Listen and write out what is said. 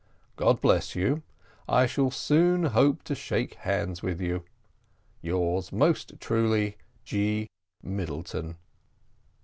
God bless you. I shall soon hope to shake hands with you. "Yours most truly: "G. Middleton."